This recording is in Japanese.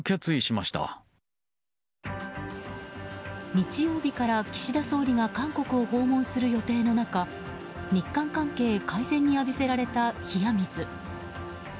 日曜日から岸田総理が韓国を訪問する予定の中日韓関係改善に浴びせられた冷や水。